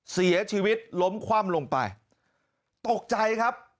เสียชีวิตล้มคว่ำลงไปตกใจครับ